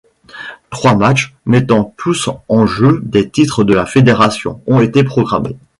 Trois matchs, mettant tous en jeu des titres de la fédération, ont été programmés.